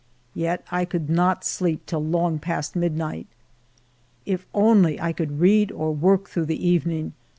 Yet I could not sleep till long past midnight. If only I could read or work through the evening